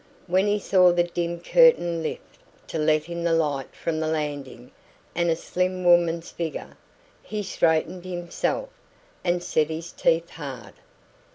When he saw the dim curtain lift to let in the light from the landing and a slim woman's figure, he straightened himself, and set his teeth hard.